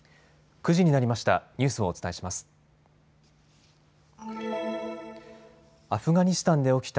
９時になりました。